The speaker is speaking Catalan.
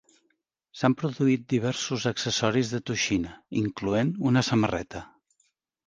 S'han produït diversos accessoris de Toxina, incloent una samarreta.